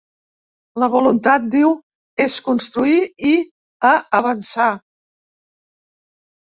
La voluntat, diu, és construir i a avançar.